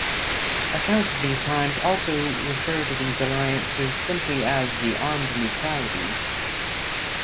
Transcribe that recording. Accounts of the times also refer to these alliances simply as the Armed Neutrality.